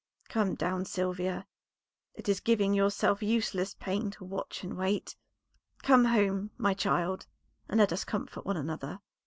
"Come down, Sylvia, it is giving yourself useless pain to watch and wait. Come home, my child, and let us comfort one another."